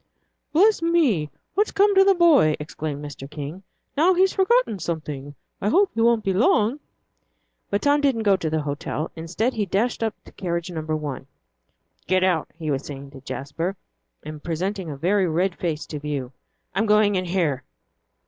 "Bless me, what's come to the boy!" exclaimed Mr. King; "now he's forgotten something. I hope he won't be long." But Tom didn't go into the hotel. Instead, he dashed up to carriage number one. "Get out," he was saying to Jasper, and presenting a very red face to view. "I'm going in here."